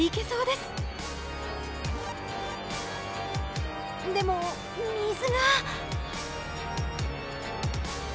でも水が。